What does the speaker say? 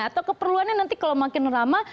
atau keperluannya nanti kalau makin lama